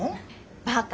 バカ！